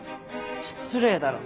失礼だろ。